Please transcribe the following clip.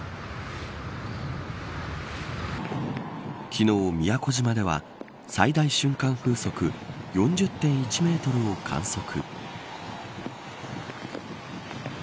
昨日、宮古島では最大瞬間風速４０．１メートルを観測。